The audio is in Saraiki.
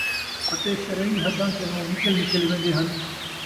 اَتے شرعی حدّاں کنوں نِکل نِکل ویندے ہَن ۔